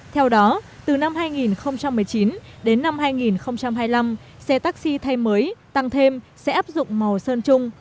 theo đó từ năm hai nghìn một mươi chín đến năm hai nghìn hai mươi năm xe taxi thay mới tăng thêm sẽ áp dụng màu sơn chung